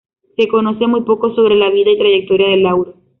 Se conoce muy poco sobre la vida y trayectoria de Lauro.